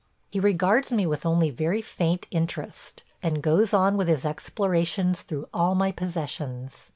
He regards me with only very faint interest, and goes on with his explorations through all my possessions.